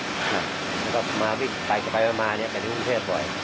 แล้วก็มาวิ่งไปไปมาเนี่ยในฝรั่งเศสบ่อย